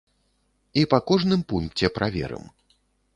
І па кожным пункце праверым.